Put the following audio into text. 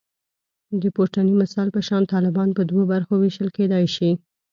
د پورتني مثال په شان طالبان په دوو برخو ویشل کېدای شي